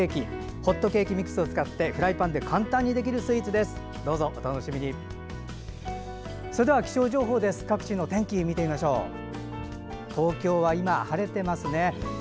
ホットケーキミックスを使ってフライパンで簡単にできるスイーツです。